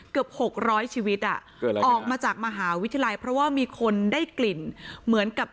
เกือบ๖๐๐ชีวิตออกมาจากมหาวิทยาลัยเพราะว่ามีคนได้กลิ่นเหมือนกับ